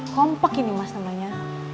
kompek ini mas namanya